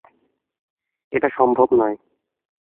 এটা সম্ভব নয়।